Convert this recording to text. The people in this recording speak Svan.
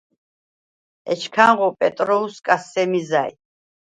ეჩქანღო პეტროუ̂სკას სემი ზა̈ჲ.